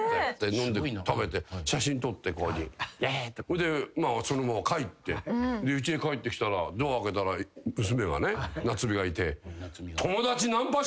飲んで食べて写真撮ってそれでそのまま帰ってうちに帰ってきたらドア開けたら娘がね名津美がいて。